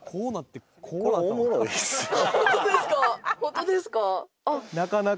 本当ですか？